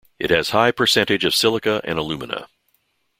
It has high percentage of silica and alumina.